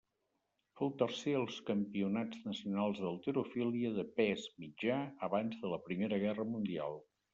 Fou tercer als campionats nacionals d'halterofília de pes mitjà abans de la Primera Guerra Mundial.